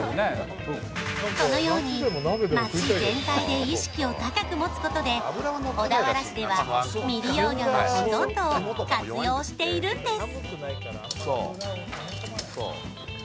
このように、街全体で意識を高く持つことで小田原市では未利用魚のほとんどを活用しているんです。